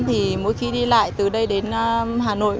thì mỗi khi đi lại từ đây đến hà nội